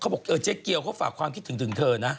บอกเจ๊เกียวเขาฝากความคิดถึงถึงเธอนะ